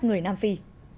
người nam phi